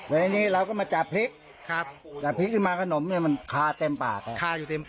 เดี๋ยวนี้เราก็มาจับพริกจับพริกขึ้นมาขนมเนี่ยมันคาเต็มปาก